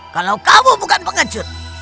kalau kamu bukan pengecut